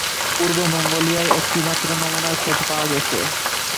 পূর্ব মঙ্গোলিয়ায় একটি মাত্র নমুনার খোঁজ পাওয়া গেছে।